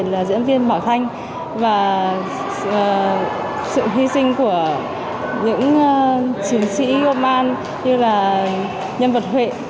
là diễn viên bảo thanh và sự hy sinh của những chiến sĩ oman như là nhân vật huệ